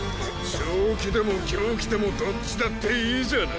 正気でも狂気でもどっちだっていいじゃない。